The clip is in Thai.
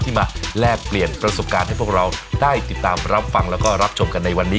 มาแลกเปลี่ยนประสบการณ์ให้พวกเราได้ติดตามรับฟังแล้วก็รับชมกันในวันนี้